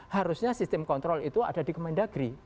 harusnya sistem kontrol itu ada di kemendagri